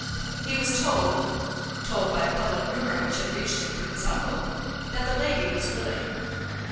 He was told, told by public rumour which had reached him through his uncle, that the lady was willing.